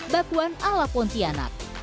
bakwan ala pontianak